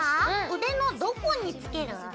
腕のどこに着ける？